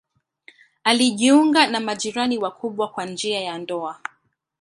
Alijiunga na majirani wakubwa kwa njia ya ndoa.